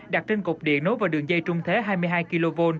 đặt trên cục điện nối vào đường dây trung thế hai mươi hai kv